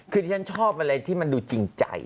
คือที่ฉันชอบอะไรที่มันดูจริงใจ